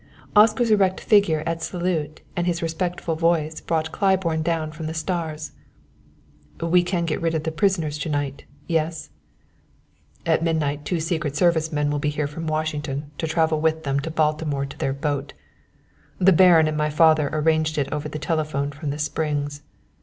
Oscar's erect figure at salute and his respectful voice brought Claiborne down from the stars. "We can get rid of the prisoners to night yes?" "At midnight two secret service men will be here from Washington to travel with them to Baltimore to their boat. The Baron and my father arranged it over the telephone from the Springs.